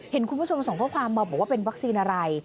เห็นคุณผู้ชมส่งข้อความมาบอกว่าเป็นวัคซีนอะไร